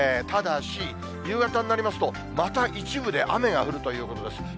ただし、夕方になりますと、また一部で雨が降るということです。